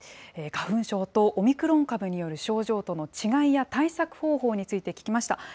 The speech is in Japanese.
花粉症とオミクロン株による症状との違いや対策方法について聞きました。